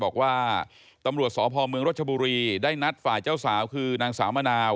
บอกว่าตำรวจสพเมืองรัชบุรีได้นัดฝ่ายเจ้าสาวคือนางสาวมะนาว